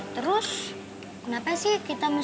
terima kasih ya bu